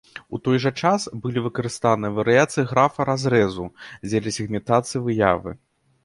У той жа час, былі выкарыстаныя варыяцыі графа разрэзу дзеля сегментацыі выявы.